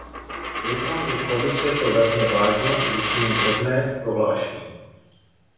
Doufám, že Komise to vezme vážně a učiní vhodné prohlášení.